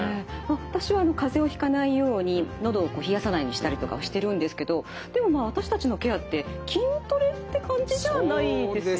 私は風邪をひかないようにのどを冷やさないようにしたりとかをしてるんですけどでもまあ私たちのケアって筋トレって感じではないですよね。